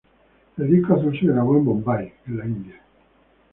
El disco azul se grabó en Bombay, en la India.